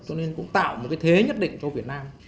cho nên cũng tạo một cái thế nhất định cho việt nam